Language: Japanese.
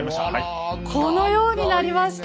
このようになりました！